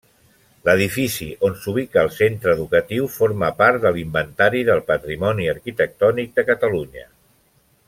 L'edifici on s'ubica el centre educatiu forma part de l'Inventari del Patrimoni Arquitectònic de Catalunya.